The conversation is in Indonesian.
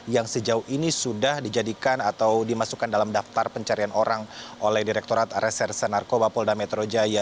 yang sejauh ini sudah dijadikan atau dimasukkan dalam daftar pencarian orang oleh direkturat reserse narkoba polda metro jaya